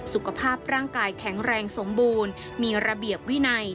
สุขภาพร่างกายแข็งแรงสมบูรณ์มีระเบียบวินัย